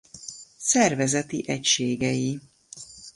Szervezeti egységei